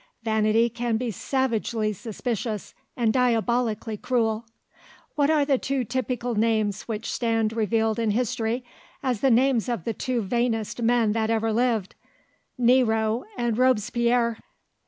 Vanity can be savagely suspicious and diabolically cruel. What are the two typical names which stand revealed in history as the names of the two vainest men that ever lived? Nero and Robespierre.